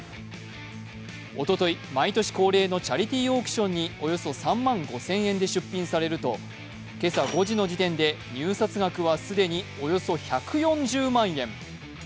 おととい、毎年恒例のチャリティーオークションにおよそ３万５０００円で出品されると今朝５時の時点で入札額は既におよそ１４０万円。